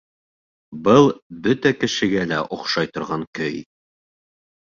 Был бөтә кешегә лә оҡшай торған көй